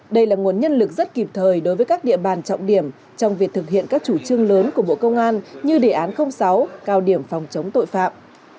đây là nguồn nhân lực rất kịp thời đối với các địa bàn trọng điểm trong việc thực hiện các chủ trương lớn của bộ công an như đề án sáu cao điểm phòng chống tội phạm